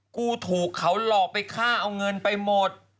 กูถูกเขาหลอกไปฆ่าเอาเงินไปหมด